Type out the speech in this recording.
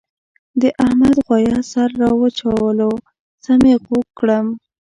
د احمد غوایه سر را واچولو سم یې خوږ کړم.